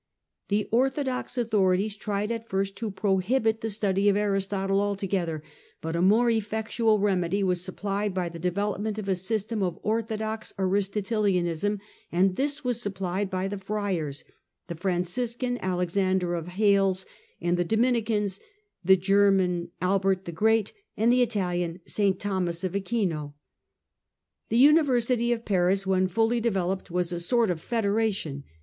The orthodox autho rities tried at first to prohibit the study of Aristotle altogether, but a more effectual remedy was supplied by the development of a system of orthodox Aristotelianism, and this was supplied by the friars, the Franciscan Alexander of Hales and the Dominicans, the German Albert the Great, and the Italian St Thomas of Aquino. The University of Paris, when fully developed, was a Paris sort of federation.